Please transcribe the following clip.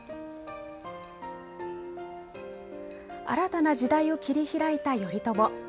新たな時代を切り開いた頼朝。